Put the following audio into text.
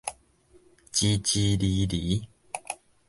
支支厘厘